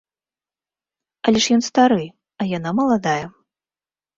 Але ж ён стары, а яна маладая.